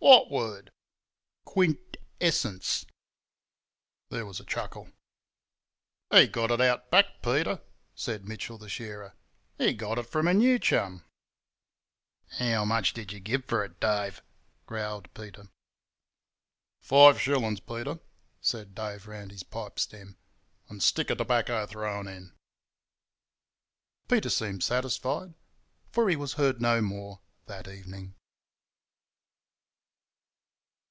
"What word?" "Quint essents." There was a chuckle. "He got it out back, Peter," said Mitchell, the shearer. "He got it from a new chum." "How much did yer give for it, Dave?" growled Peter. "Five shillings, Peter," said Dave, round his pipe stem. "And stick of tobacco thrown in." Peter seemed satisfied, for he was heard no more that evening.